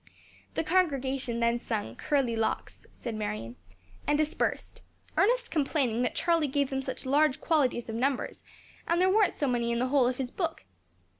"The congregation then sung 'Curly Locks,'" said Marion, "and dispersed; Ernest complaining that Charley gave them such large qualities of numbers, and there weren't so many in the whole of his book.